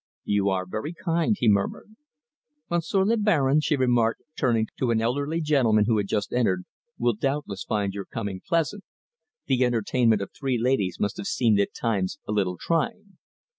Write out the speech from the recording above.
"You are very kind," he murmured. "Monsieur le Baron," she remarked, turning to an elderly gentleman who had just entered, "will doubtless find your coming pleasant. The entertainment of three ladies must have seemed at times a little trying.